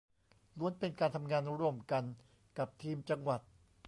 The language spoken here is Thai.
ล้วนเป็นการทำงานร่วมกันกับทีมจังหวัด